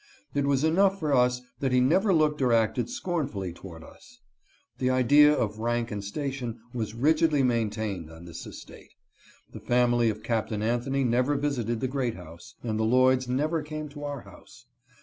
It was enough for us that he never looked or acted scornfully toward us. The idea of rank and station was rigidly maintained on this estate. The family of Captain Anthony never visited the great house, and the Lloyds never came to our house.